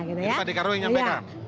ini pak dekarwo yang menyampaikan